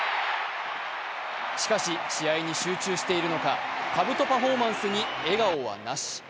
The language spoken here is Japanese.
しかし試合に集中しているのかかぶとパフォーマンスに笑顔はなし。